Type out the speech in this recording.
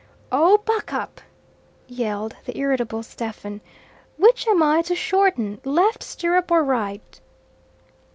"Oh, buck up!" yelled the irritable Stephen. "Which am I to shorten left stirrup or right?"